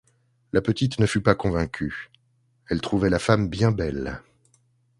La petite ne fut pas convaincue ; elle trouvait la femme bien belle.